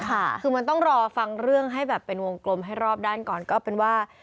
คือมันต้องรอฟังเรื่องให้แบบเป็นวงกลมให้รอบด้านก่อนก็เป็นว่า